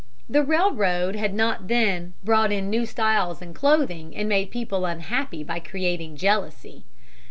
The railroad had not then brought in new styles in clothing and made people unhappy by creating jealousy.